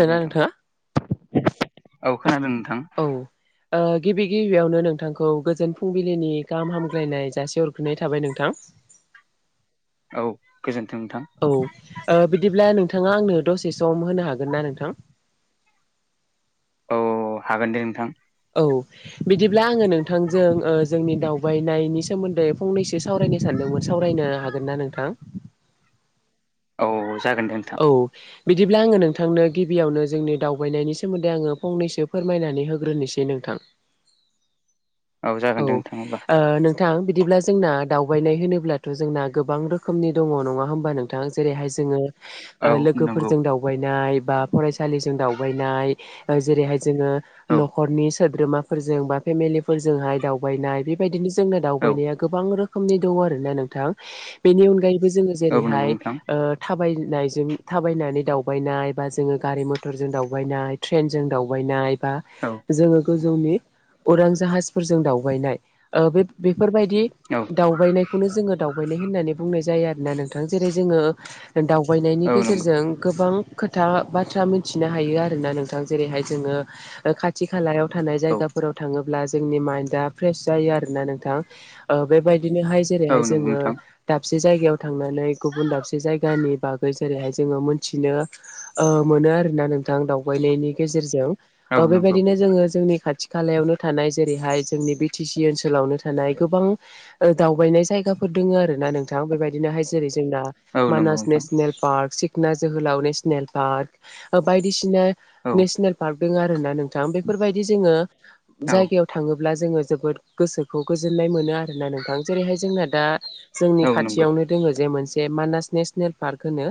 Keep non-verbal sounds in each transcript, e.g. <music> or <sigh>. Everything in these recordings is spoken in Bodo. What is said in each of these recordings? औ नोंथां नोंथाङा औ खोनादों नोंथां <unintelligible> औ गिबि गिबियावनो नोंथांखौ गोजोन फुंबिलिनि गाहाम हामग्लायनाय जासे हरग्रोनाय थाबाय नोंथां। <inaudible> औ गोजोन औ ओ बिदिब्ला नोंथाङा आंनो दसेस'आवनो होनो हागोन ना नोंथां? <inaudible> औ हागोन दे नोंथां औ बिदिब्ला आङो नोंथांजों ओ जोंनि दावबायनायनि सोमोन्दै फंनैसो सावराय नो सानदोंमोन सावरायनो हागोन ना नोंथां? औ <unintelligible> औ बिदिब्ला आङो नोंथांनो गिबियावनो जोंनि दावबायनायनि सोमोन्दै आङो फंनैसो फोरमायनानै होग्रोनोसै नोंथां। <unintelligible> जागोन औ दे नोंथां अब्ला ओ नों थां बिदिब्ला जोंना दावबायनाय होनोब्लाथ' जोंना गोबां रोखोमनि दङ नङा होमबा नोंथां जेरैहाय जोङो औ नंगौ लोगोफोरजों दावबायनाय बा फरायसालिजों दावबायनाय जेरैहाय जोङो औ न'खरनि सोद्रोमाफोरजों बा फेमिलिफोरजोंहाय दावबायनाय बेबायदिनो जोंना औ दावबायनाया गोबां रोखोमनि दं आरोना नोंथां बिनि अनगायै जोङो औ नंगौ जेरैहाय नोंथां ओ थाबाय नायजों थाबायनानै दावबायनाय बा जोङो गारि मथरजों दावबायनाय ट्रेनजों दावबायनाय औ जोङो गोजौनि उरां जाहासफोरजों दावबायनाय <unintelligible> बेफोरबायदि औ दावबायनायखौनो जोङो दावबायनाय होननानै बुंनाय जायो आरोना नोंथां जेरै जोङो दावबायनायनि औ नंगौ गेजेरजों गोबां खोथा बाथ्रा मिथिनो हायो आरोना नोंथां जेरैहाय जोङो खाथि खालायाव थानाय औ जायगाफोराव थाङोब्ला जोंनि माइन्द आ प्रेस जायो आरोना नोंथां ओ बेबाय बिदिनोहाय औ जेरैहाय नंगौ जोङो नोंथां द दसे जायगायाव थांनानै गुबुन दाबसे जायगानि बागै जेरैहाय जोङो मोनथिनो ओ मोनो आरोना नोंथां दावबायनायनि गेजेरजों औ ओ नंगौ बेबायदिनो जोङो जोंनि खाथि खालायावनो थानाय जेरैहाय जोंनि बि टि सि ओनसोलावनो थानाय गोबां दावबायनाय जायगाफोर दङ आरोना नोंथां बेबायदिनोहाय जेरै जोंना औ नंगौ मानास नोंथां नेसनेल पार्क सिखना जोहोलाव नेशनेल पार्क बायदिसिना औ नेसनेल पार्क दङ आरोना नोंथां बेफोरबायदि जोङो औ जायगायाव थाङोब्ला जोङो जोबोद गोसोखौ गोजोननाय मोनो आर नोंथां जेरैहाय जोंना दा जोंनि औ नंगौ खाथियावनो दोङो जे मोनसे मानास नेसनेल पार्क होनो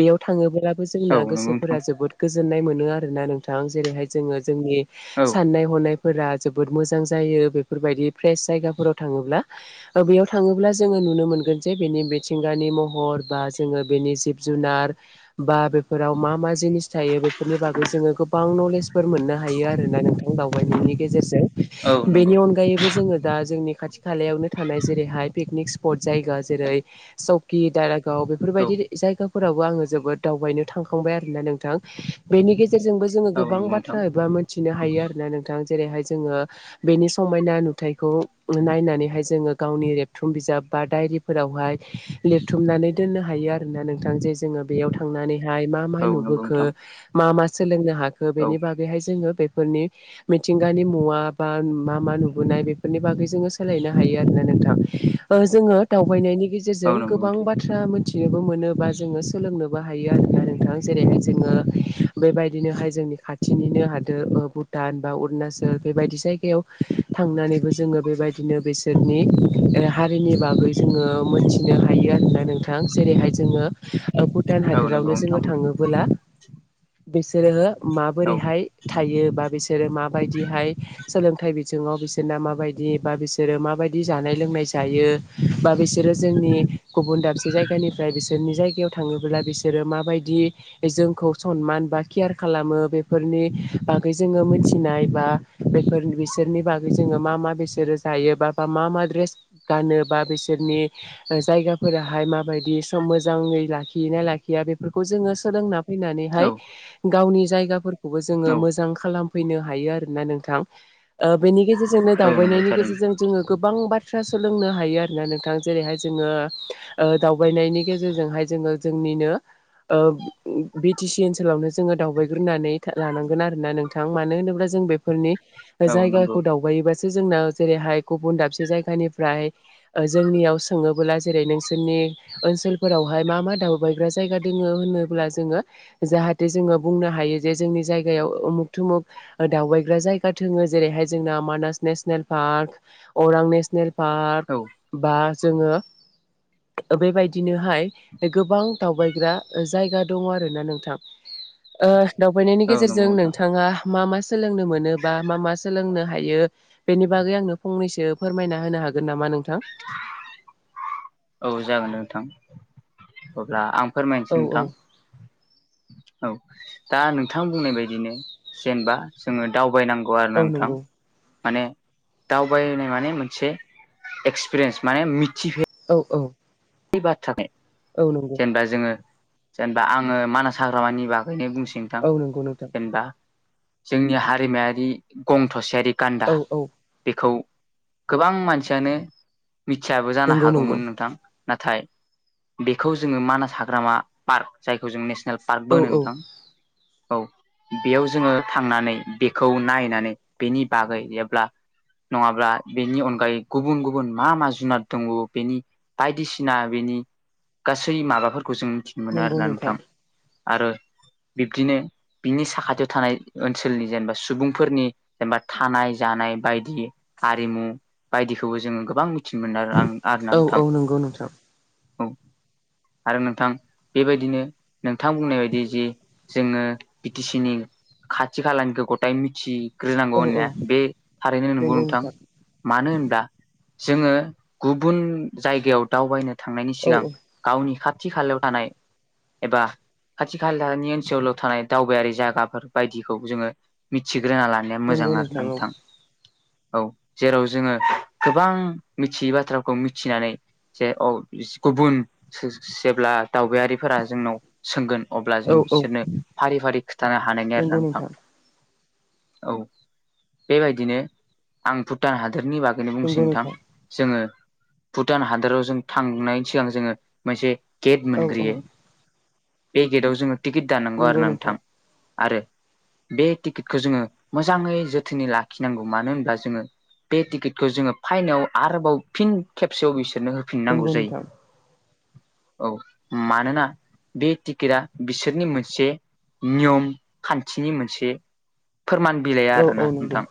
बेयाव थाङोब्लाबो औ जोंना नंगौ नोंथां गोसोफोरा जोबो गोज जोननाय मोनो आरोना नोंथां जेरैहाय जोङो जोंनि औ साननाय हनाय फोरा जोबोद मोजां जायो। बेफोरबायदि फ्रेस जायगाफोराव थाङोब्ला बेयाव थाङोब्ला जोङो नुनो मोनगोन जे बेनि मिथिंगा नि महर बा जोङो बेनि जिब जुनार बा फोराव मा मा जिनिस थायो बेफोरनि बागै जोङो गोबां नलेजफोर मोननो हायो आरोना नोंथां दावबायनि नि गेजेरजों। औ नंगौ बेनि अनगायैबो जोङो दा जोंनि खाथि खालायावनो थानाय जेरैहाय पिकनिक स्पट जायगा जेरै स दारागाव औ बेफोरबायदि जायगाफोरावबो आङो जोबोद दावबायनो थांखांबाय आरोना नोंथां‌। बेनि गेजेरजोंबो जोङो औ गोबां नंगौ नोंथां बाथ्रा एबा मिथिनो हायो आरोना नोंथां जेरैहाय जोङो बेनि समायना नुथाइखौ नायनानैहाय जोङो गावनि रेबथुम बिजाब बा डायरिफोरावहाय लिरथुमनानै दोननो हायो आरोना नोंथां जे जोङो बेयाव थांनानै मा मा औ नंगौ नुखो नोंथां म मा सोलोंनो हाखो औ बेनि बागैहाय जोङो बेफोरनि मिथिंगानि मुवा बा मा मा नुबोनाय बेफोरनि बागै जोङो सोलायनो हायो आरोना नोंथां। ओ जोङो दावबायनायनि औ गेजेरजों नंगौ गोबां नोंथां बाथ्रा मिथिनोबो मोनो बा जोङो सोलोंनोबो हायो आरोना नोंथां जेरैहाय जोङो बेबायदिनोहाय जों खाथिनिनो हादो ओ भुटान बा अरणाचल बे बादिसि जायगायाव थांनानैबो जोङो बेबायदिनो बिसोरनि ओ हारिनि बागै जोङो मोनथिनो हायो आरोना नोंथां। जेरैहाय जोङो ओ भुटान औ नंगौ हादोरावनो जोङो नोंथां थाङोबोला बिसोरो औ माबोरैहाय थायो बा बिसोरो माबायदिहाय सोलोंथाइ बिथिङाव बिसोरना माबायदि बा बिसोरो माबायदि जानाय लोंनाय जायो बा बिसोरो जोंनि गुबुन दाबसे जायगानिफ्राय बिसोरनि जायगायाव थाङोब्ला बिसोरो माबायदि जो जोंखौ सनमान बा केयार खालामो बेफोरनि बागै जोङो मिथिनाय बा बेफोर बिसोरनि बागै जोङो मा मा बिसोरो जायो बा मा मा ड्रेस गानो बा बिसोरनि ओ जायगाफोराहाय माबायदि सम मोजाङै लाखियो ना लाखिया बेफोरखौ जोङो सोलोंना फैनानैहाय गावनि जायगाफोरखौबो जोङो औ मोजां खालामफैनो हायो आरोना नों थां। ओ बेनि गेजेरजोंनो औ नंगौ दावबायनायनि थारैनो गेजेरजों जोङो गोबां बाथ थ्रा सोलोंनो हायो आरोना नोंथां जेरैहाय जोङो ओ दावबायनायनि गेजेरजोंहाय जोङो जोंनि निनो ओ बि टि सि ओनसोलावनो जोङो दावबायग्रोनानै लानांगोन आरोना नोंथां मानो होनोब्ला जों बे फोरनि औ नंगौ जायगाखौ दावबायोबा सो जोंनाव जेरैहाय गुबुन दाबसे जायगानिफ्राय ओ जोंनियाव सोङोबोला जेरै नोंसोरनि ओनसोलफोरावहाय मा मा दावबायग्रा जाया दङो होनोब्ला जोङो जाहाथे जोङो बुं नो हायो जे जोंनि जायगायाव उमुग तुमुग ओ दावबाय ग्रा जायगा दोङो जेरैहाय जोंना मानास नेसनेल पार्क अरां नेसनेल पार्क औ बा जोङो बेबायदिनोहाय गोबां दावबायग्रा जायगा दङ आरो ना नोंथां। ओ दावबायनायनि औ नंगौ गेजेरजों नोंथां नोंथाङा मा मा सोलोंनो मोन नो बा मा मा सोलोंनो हायो बेनि बागै आंनो फनैसो फोरमाय होनो हागोन नोंथां। औ जागोन नोंथां। अब्ला आं फोरमायनोसै औ औ नोंथां। औ दा नोंथां बुंनाय बायदिनो जेनेबा जोङो दावबायनांगौ गुवार औ नांथां नंगौ माने दावबायनाय माने मोनसे एक्सपिरियेन्स माने मिथिफे औ औ। बे बाथ्राखाय औ नंगौ जेनेबा जोङो जेनेबा आङो मानास हाग्रामानि बागैनो बुंसै नोंथां औ नंगौ नोंथां जेनेबा जोंनि हारिमायारि गं थसेआरि गान्दा औ औ बेखौ गोबां मानसियानो मिथियाबो जानो नंगौ नंगौ हागौमोन नोंथां। नाथाय बेखौ जोङो मानास हाग्रामा पार्क जायखौ जों नेसने नेेल पार्कबो औ होनो औ नोंथां औ बेयाव जोङो थांनानै बेखौ नायनानै बेनि बागै एब्ला नङाब्ला बेनि अनगायै गुबुन गुबुन मा मा जुनार दङ बेनि बायदिसिना बेनि गासै माबाफोरखौ जों मिथिनो मोनो आरोना नोंथां। आरो बिब्दिनो बिनि साखाथियाव थानाय ओनसोलनि जेनेबा सुबुंफोरनि जेनेबा थानाय जानाय बायदि हारिमु बायदिखौबो जोङो गोबां मिथिनो मोनो आं आरोना औ नोंथां औ नंगौ नोंथां औ आरो नोंथां बेबायदिनो नोंथां बुंनाय बायदि जि जोङो बि टि सि नि खाथि खालानिखो गथाइ मिथि ग्रोनांगौ औ होननाया औ बे थारैनो नंगौ नोंथां मानो होनब्ला जोङो गुबुन जायगायाव दावबायनो थांनायनि औ सिगां गावनि खाथि थि खालायाव थानाय एबा खाथि खालानि ओनसोलाव थानाय दावबायारि जायगाफोर बायदिखौ जोङो मिथि ग्रोना लानाया मोजां नंगौ आरो ना औ नोंथां औ जेराव जोङो गोबां मिथियै बाथ्राखौ मिथिनानै जे औ गुबुन जेब्ला दावबायारिफोरा जोंनाव सोंगोन अब्ला औ जों औ बिसोरनो फारि फारि खिथानो हानायनि आरो नोंथां औ बेबायदिनो आं भुटान हा दोरनि बागैनो बुंसिनो नोंथां भुटान हादराव जों थांनायनि सिगां जोङो मोनसे गेट औ औ मोनग्रोयो बे गेटाव जोङो टिकेट दाननांगौ आरोना नोंथां आरो बे टिकेटखौ जोङो मोजाङै जोथोनै लाखिनांगौ मानो होनोब्ला जोङो बे टिकेटखौ जोङो फाइनेलाव आरोबाव फिन खेब खबसेयाव बिसोरनो होफिननांगौ नंगौ जायो नोंथां । औ मानोना बे टिकेटआ बिसोरनि मोनसे नियम खान्थिनि मोनसे फोरमान बिलाइया औ औ आरोना नंगौ नोंथां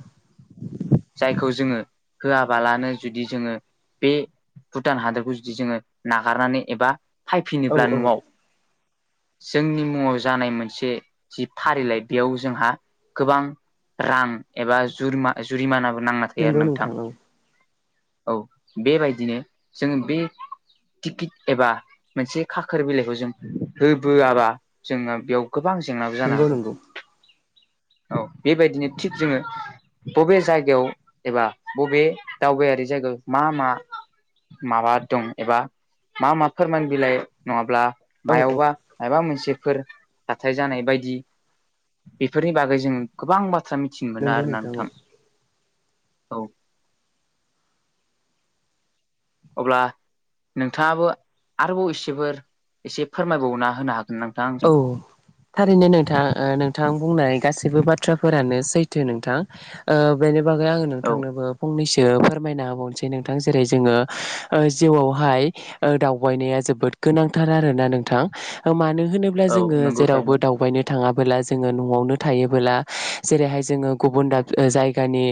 जायखौ जोङो होआबालानो जुदि जोङो बे भुटान हादरखौ जुदि जोङो नागारनानै एबा औ फायफिनोब्ला औ न'आव जोंनि मुङाव जानाय मोनसे जि फारिलाइ बेयाव जोंहा गोबां रां एबा जुरि जुरिमानाबो नांना थायो आरो नंगौ नोंथां औ औ बेबायदिनो जों बे टिकिट एबा मोनसे खाखोर बिलाइखौ जों होबोआबा जोङो बेयाव गोबां जेंनाबो जानो नंगौ हागौ नंगौ औ बेबायदिनो थिग जोङो बबे जायगायाव एबा बबे दावबायारि जायगायाव मा मा माबा दं एबा मा मा फोरमान बिलाइ नङाब्ला औ औ मायावबा मायबा मोनसे फोर जाथाय जानाय बायदि बेफोरनि बागै जों गोबां बा बाथ्रा मिथिनो मोनो नंगौ आरोना औ नोंथां औ अब्ला नोंथाङाबो आरोबाव एसेफोर एसे फोरमायबावना होनो हागो औ थारैनो नोंथां ओ नोंथां बुंनाय गासै सैबो बाथ्राफोरानो सैथो नोंथां ओ बेनि बागै आङो औ नोंथांनोबो फंनैसो फोरमायना होबावनोसै नोंथां जेरै जोङो ओ जिउआवहाय ओ दावबायनाया जोबोद गोनांथार आरोना नोंथां मानो होनोब्ला औ जोङो नंगौ जेरावबो थारैनो दावबायनो थाङा बोला जोङो न'आवनो थायोबोला जेरैहाय जोङो गुबुन दाब ओ जायगानि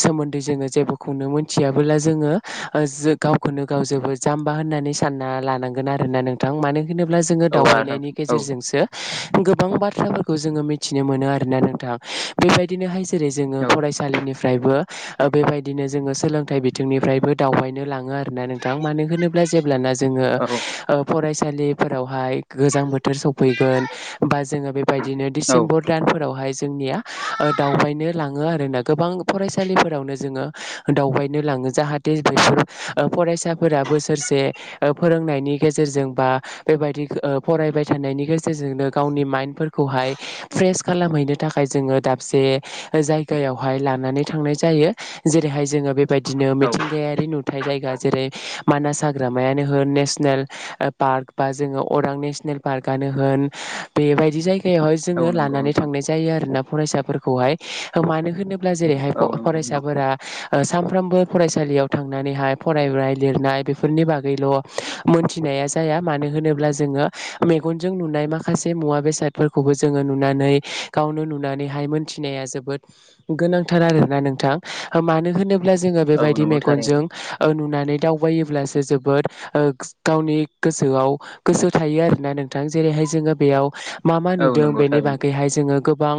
सोमोन्दै सोमोन्दै जोङो जेबोखौनो मोनथियाबोला जोङो गावखौनो गाव जोबोद जाम्बा होननानै सान ना लानांगोन आरोना नोंथां मानो होनोब्ला जोङो औ आरो दावबायनायनि नोंथां औ गेजेरजोंसो गोबां बाथ्राफोरखौ जोङो मिथिनो मोनो आरोना नोंथां बेबायदिनोहाय जेरै जोङो औ फरायसालिनिफ्रायबो ओ बेबाय बिदिनो जोङो सोलोंथाइ बिथिंनिफ्रायबो दावबायनो लाङो आ नोंथां मानो होनोब्ला जेब्लाना जोङो औ ओ फरायसालिफोरावहाय गो बोथोर सफैगोन बा जोङो बेबायदिनो औ दिसेम्बर दानफोरावहाय जोंनिया ओ दावबायनो लां ङो आरोना गोबां फरायसालिफोरावनो जोङो दावबायनो लाङो जाहाथे बेफोर ओ फराय फरायसाफोरा बोसोरसे ओ फोरोंनायनि गेजेरजों बा बेबायदि ओ फरायबाय थानायनायनि गेजेरजोंनो गावनि माइन्दफोरखौहाय फ्रेश खालामहैनो थाखाय जोङो दाबसे जायगायावहाय लानानै थांनाय जायो जेरैहाय जोङो बेबायदिनो औ मिथिंगायारि नुथाय जायगा जेरै मानास हाग्रामायानो हो नेसनेल पार्क बा जोङो अरां नेसनेल पार्कनो होन बेबायदि जायगायावहाय औ जोङो नंगौ लानानै नोंथां थांनाय जायो आरोना फरायसाफोरखौहाय मानो होनोब्ला जेरैहाय औ नंगौ नोंथां फरायसाफोरा सानफ्रोमबो फरायसालियाव थांनानैहाय फरायनाय लिरनाय बेफोरनि बागैल' मोनथिना या जाया मानो होनोब्ला जोङो मेगनजों नुनाय माखासे मुवा बेसादफोरखौबो जोङो नुनानै गावनो नुनानैहाय मोन्थिनाया जोबोद गोनांथार आरोना नोंथां मानो होनो ब्ला जोङो औ बेबायदि नंगौ थारैनो मेगनजों ओ नुनानै दावबायोब्लासो जोबोद गावनि गोसोआव गोसो थायो आरो नोंथां जेरैहाय जोङो बेयाव मा मा औ नुदोंं नंगौ बेनि थारैनो बागैहाय जोङो गो गोबां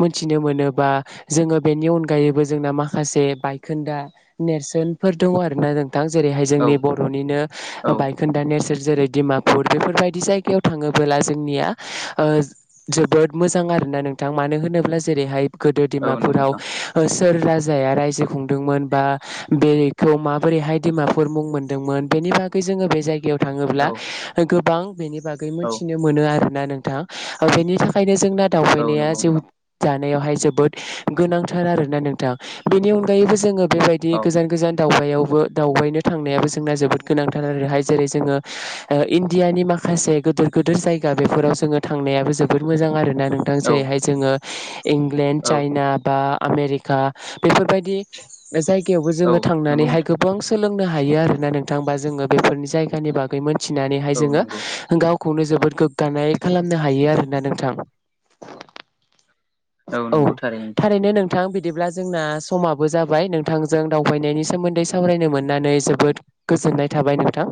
मोनथिनो मोनो बा जोङो बेनि अनगायैबो जोंना माखासे बायखोन्दा नेरसोनफोर दं आरो ना जों दा जेरैहाय औ जोंनि बर'निनो औ बायखोन्दा नेेरसोन जेरै डिमापुर बेफोरबायदि जाय गायाव थाङोबोला जोंनिया जोबोद मोजां आरोना नोंथां मानो होनोब्ला जेरैहाय गोदो नंगौ दिमाफुराव नोंथां सोर राजाया रायजो खुंदोंमोन बा बेखौ माबोरैहाय दिमाफोर मुं मोनदोंमोन बे नि बागै जों बे जायगायाव औ थाङोब्ला गोबां बेनि बागै औ मोनथिनो मोनो आरोना नोंथां, बेनि थाखाय नो जोंना औ दावबायनाया नंगौ जिउ नोंथां दा नायावहाय जोबोद गोनांथार आरोना नोंथां बेनि अनगायैबो जोङो बेबायदि औ गोजान गोजान दावबायावबो दावबायनो थांनायाबो जोंना जोबोद गोनांथार आरोहाय जेरै जोङो इण्डियानि माखासे गोदोर गोदोर जायगा बेफोराव जोङो थांनायाबो जोबोद मोजां आरोना नोंथां औ जेरैहाय जोङो इंलेण्ड औ चाइना बा आमेरिका बेफोरबायदि जायगायावबो औ जोङो नंगौ थांनानैहाय नोंथां गोबां सोलों नो हायो आरोना नोंथा बा जोङो बेफोर जायगानि बागै मोनथिनानैहाय औ जोङो नंगौ गाव खौनो जोबोद गोग्गानाय खालामनो हायो आरोना नोंथां। औ थारैनो नोंथां बि दिब्ला जोंना समाबो जाबाय नोंथांजों दावबायनायनि सोमोन्दै सामरायनो मोननानै जोबोद गो जोननाय थाबाय नोंथां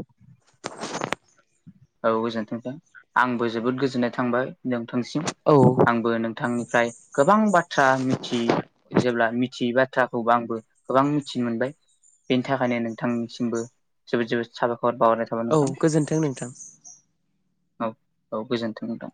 औ गोजोनथों नोंथां आंबो जोबोद गोजोननाय थांबाय नोंथांनिसिम। औ आंबो नोंथांनिफ्राय गोबां बाथ्रा मिथि जेब्ला मिथियै बा थ्राखौ आंबो गोबां मिथिनो मोनबाय बेनि थाखायनो नोंथांनिसिमबो जोबोद जोबोद साबायखर बावहरनाय थाबाय औ नोंथां। गोजोन्थों नोंथां औ औ गोजोनथों नोंथां।